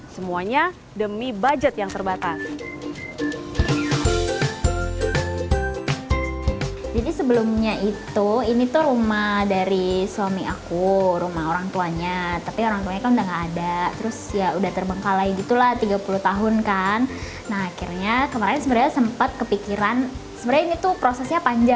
semuanya demi budget yang terbatas